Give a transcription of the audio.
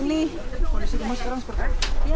kondisi rumah sekarang seperti apa